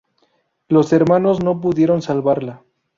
Los hermanos no pudieron salvarla.